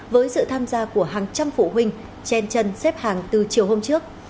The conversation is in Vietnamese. với sự tham gia của hàng trăm phụ huynh chen chân xếp hàng từ chiều hôm trước